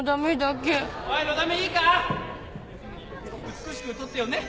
美しく撮ってよね。